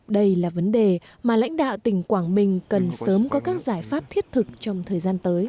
đây là vấn đề mà lãnh đạo tỉnh quảng bình cần sớm có các giải pháp thiết thực trong thời gian tới